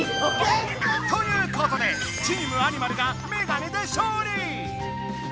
ということでチームアニマルが「メガネ」で勝利！